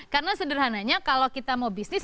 karena sederhananya kalau kita mau bisnis